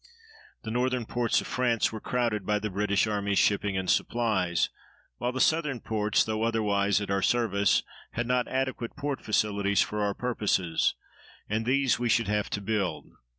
The northern ports of France were crowded by the British Armies' shipping and supplies, while the southern ports, though otherwise at our service, had not adequate port facilities for our purposes, and these we should have to build.